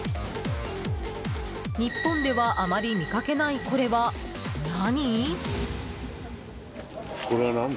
日本ではあまり見かけないこれは、何？